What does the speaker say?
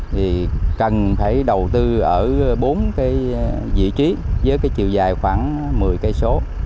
thì cần phải đầu tư ở bốn cái vị trí với cái chiều dài khoảng một mươi km